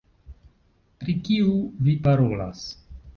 Pri kiu vi parolas?